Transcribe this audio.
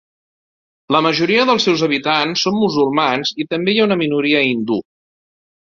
La majoria dels seus habitants són musulmans i també hi ha una minoria hindú.